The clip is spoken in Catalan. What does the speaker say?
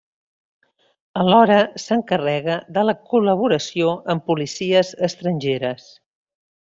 Alhora, s'encarrega de la col·laboració amb policies estrangeres.